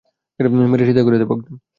মেরে সিধা করে দেবো একদম।